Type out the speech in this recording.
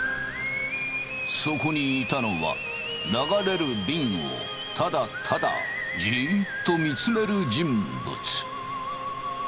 そこにいたのは流れるびんをただただじっと見つめる人物。